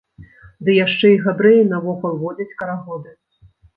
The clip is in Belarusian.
Ды яшчэ і габрэі навокал водзяць карагоды!